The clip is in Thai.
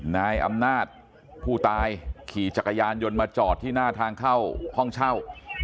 นายอำนาจผู้ตายขี่จักรยานยนต์มาจอดที่หน้าทางเข้าห้องเช่า